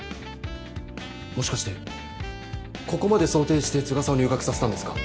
もしかしてここまで想定して都賀さんを入学させたんですか？